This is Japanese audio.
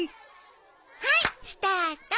はいスタート。